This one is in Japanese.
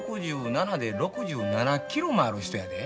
６７で６７キロもある人やで。